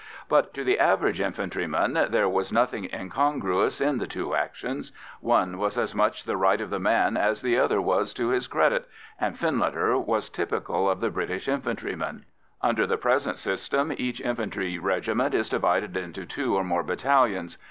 But, to the average infantryman, there was nothing incongruous in the two actions one was as much the right of the man as the other was to his credit, and Findlater was typical of the British infantryman. Under the present system, each infantry regiment is divided into two or more battalions.